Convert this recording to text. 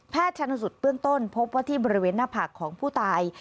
ชนสุดเบื้องต้นพบว่าที่บริเวณหน้าผากของผู้ตาย